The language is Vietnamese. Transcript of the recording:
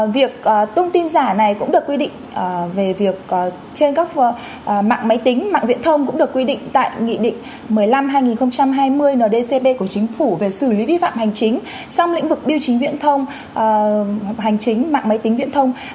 việc thông tin giả này cũng được quy định về việc trên các mạng máy tính mạng viện thông cũng được quy định tại nghị định một mươi năm hai nghìn hai mươi ndcb của chính phủ về xử lý vi phạm hình chính trong lĩnh vực biêu chính viện thông hình chính mạng máy tính viện thông